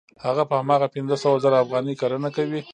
هغه په هماغه پنځه سوه زره افغانۍ کرنه کوي